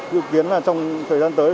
dự kiến trong thời gian tới